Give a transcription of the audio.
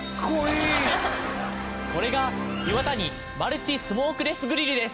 これがイワタニマルチスモークレスグリルです。